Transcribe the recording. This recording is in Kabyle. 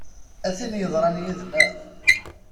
A tin yeḍran yid-neɣ!